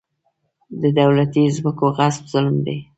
د دولتي ځمکو غصب ظلم دی.